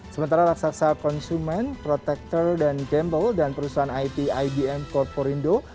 sementara raksasa konsumen protector dan gamble dan perusahaan it ibm corp rindo